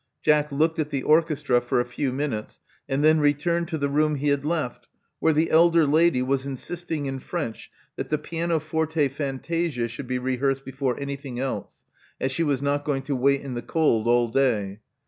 Jack looked at the orchestra for a few minutes, and then returned to the room he had left, where the elder lady was insisting in French that the pianoforte fantasia should be rehearsed before anything else, as she was not going to wait in the cold all day.